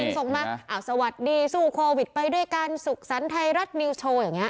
ส่งมาสวัสดีสู่โควิดไปด้วยกันสุขสันต์ไทยรัฐนิวส์โชว์อย่างเงี้ย